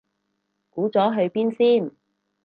估咗去邊先